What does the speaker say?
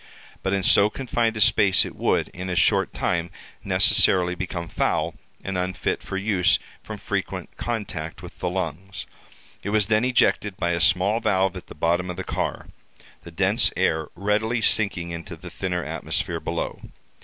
But in so confined a space it would, in a short time, necessarily become foul, and unfit for use from frequent contact with the lungs. It was then ejected by a small valve at the bottom of the car—the dense air readily sinking into the thinner atmosphere below.